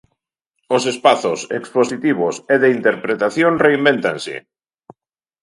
Os espazos expositivos e de interpretación reinvéntanse.